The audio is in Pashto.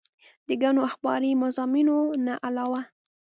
د ګڼو اخباري مضامينو نه علاوه